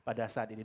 pada saat ini